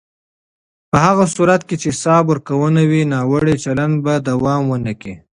په هغه صورت کې چې حساب ورکونه وي، ناوړه چلند به دوام ونه کړي.